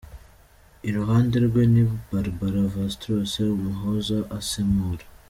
Iruhande rwe ni Barbara Vastrose Umuhoza asemura.